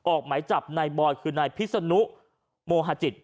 ออกไหมจับในบอยคือในพิศนุโมฮาจิต